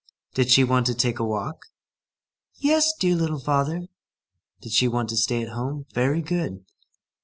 Did she want to take a walk? "Yes, dear little father." Did she want to stay at home? Very good.